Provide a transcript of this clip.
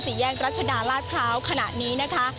แยกรัชดาลาดพร้าวขณะนี้นะคะ